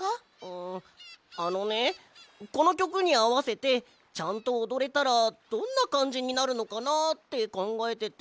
あのねこのきょくにあわせてちゃんとおどれたらどんなかんじになるのかなってかんがえてて。